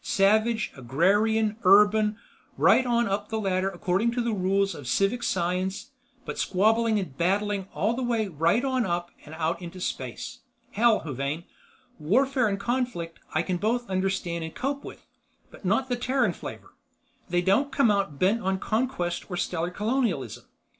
Savage, agrarian, urban, right on up the ladder according to the rules of civic science but squabbling and battling all the way right on up and out into space. Hell, Huvane, warfare and conflict I can both understand and cope with, but not the Terran flavor. They don't come out bent on conquest or stellar colonialism.